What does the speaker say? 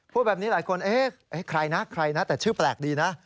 พูดแบบนี้หลายคนเอ๊ะใครนะใครนะแต่ชื่อแปลกดีนะ